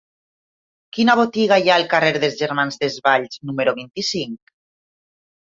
Quina botiga hi ha al carrer dels Germans Desvalls número vint-i-cinc?